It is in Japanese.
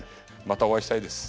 またお会いしたいです